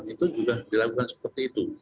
itu sudah dilakukan seperti itu